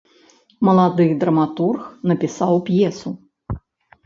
Малады драматург напісаў п'есу.